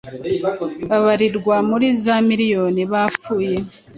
babarirwa muri za miriyoni bapfuye,